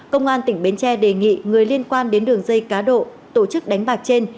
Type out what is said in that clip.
công an tỉnh bến tre đề nghị người liên quan đến đường dây cá độ tổ chức đánh bạc trên